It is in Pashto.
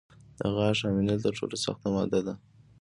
د غاښ امینل تر ټولو سخته ماده ده.